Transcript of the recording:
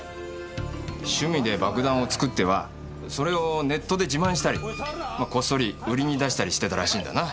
趣味で爆弾を作ってはそれをネットで自慢したりこっそり売りに出したりしてたらしいんだな。